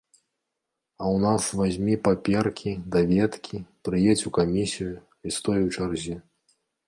А ў нас вазьмі паперкі, даведкі, прыедзь у камісію і стой у чарзе.